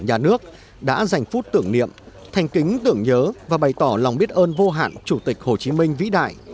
nhà nước đã dành phút tưởng niệm thành kính tưởng nhớ và bày tỏ lòng biết ơn vô hạn chủ tịch hồ chí minh vĩ đại